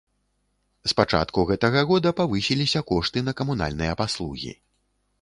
З пачатку гэтага года павысіліся кошты на камунальныя паслугі.